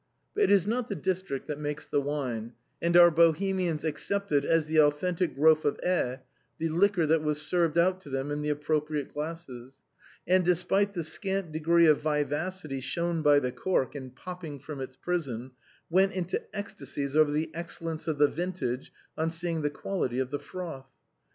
But it is not the district that makes the wine;, and our Bohemians accepted as the authentic growth of Ai the liquor that was served out to them in the appropriate glasses, and despite the scant degree of vivacity shown by the cork in popping from its prison, went into ecstacies over the excellence of the vintage on seeing the quantity of froth.